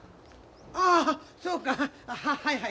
ああそうかはいはい。